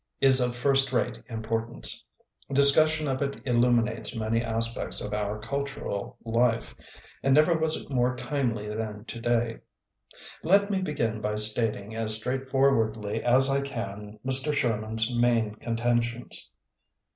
— is of first rate importance. Discussion of it illuminates many aspects of our cultural life. And never was it more timely than today. Let me begin by stating as straight forwardly as I can Mr. Sherman's main contentions.